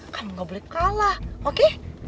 kan gak boleh kalah oke